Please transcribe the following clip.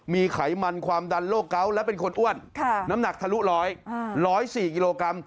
มีไขมันความดันโรคเกาะและเป็นคนอ้วนน้ำหนักทะลุ๑๐๑๐๔กิโลกรัม